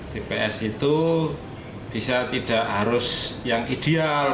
tps itu bisa tidak harus yang ideal